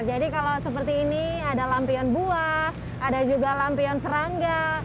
jadi kalau seperti ini ada lampion buah ada juga lampion serangga